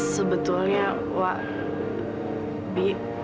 sebetulnya wak b